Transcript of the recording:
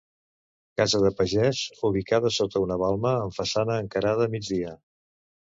Casa de pagès ubicada sota una balma amb façana encarada a migdia.